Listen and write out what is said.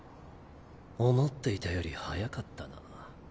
思っていたより早かったな。